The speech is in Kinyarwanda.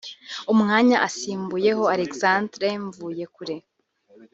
umwanya asimbuyeho Alexandre Mvuyekure